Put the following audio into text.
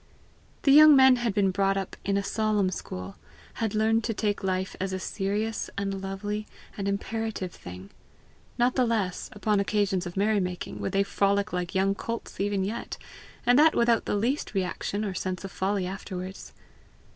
The young men had been brought up in a solemn school had learned to take life as a serious and lovely and imperative thing. Not the less, upon occasions of merry making, would they frolic like young colts even yet, and that without the least reaction or sense of folly afterwards.